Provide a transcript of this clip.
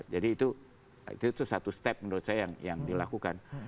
jadi itu satu step menurut saya yang dilakukan